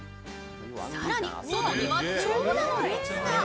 更に、外には長蛇の列が。